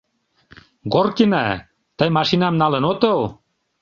Горкина, тый машинам налын отыл?